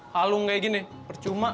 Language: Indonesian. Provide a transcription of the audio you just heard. kalung kayak gini percuma